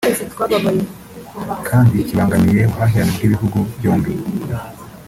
kandi kibangamiye ubuhahirane bw’ibihugu byombi